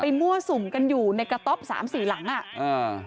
มั่วสุมกันอยู่ในกระต๊อบสามสี่หลังอ่ะอ่า